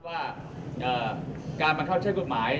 ว่าการมาเข้าใช้กฎหมาย